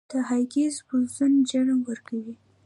د هیګز بوزون جرم ورکوي.